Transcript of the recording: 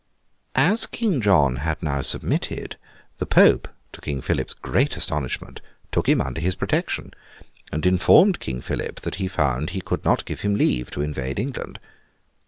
As King John had now submitted, the Pope, to King Philip's great astonishment, took him under his protection, and informed King Philip that he found he could not give him leave to invade England.